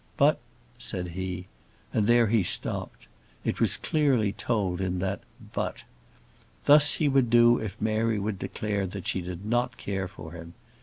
"But," said he and there he stopped. It was clearly told in that "but." Thus would he do if Mary would declare that she did not care for him.